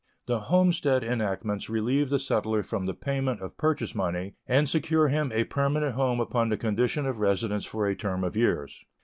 The homestead enactments relieve the settler from the payment of purchase money, and secure him a permanent home upon the condition of residence for a term of years.